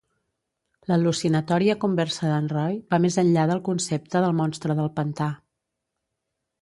L'al·lucinatòria converse d'en Roy va més enllà del concepte del Monstre del pantà.